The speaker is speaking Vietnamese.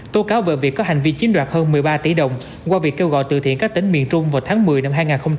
tố cáo về việc có hành vi chiếm đoạt hơn một mươi ba tỷ đồng qua việc kêu gọi từ thiện các tỉnh miền trung vào tháng một mươi năm hai nghìn hai mươi ba